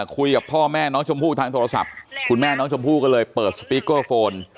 คุยกับพ่อแม่น้องชมพู่ทางโทรศัพท์คุณแม่น้องชมพู่ก็เลยเปิดสปีกเกอร์โฟน